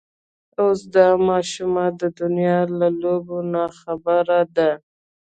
اوس دا ماشومه د دنيا له لوبو نه ناخبره ده.